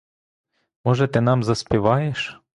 Може, ти нам заспіваєш?